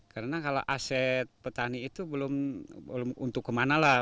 karena kalau aset petani itu belum untuk kemana lah